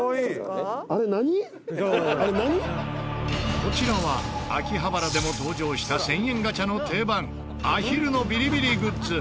こちらは秋葉原でも登場した１０００円ガチャの定番アヒルのビリビリグッズ。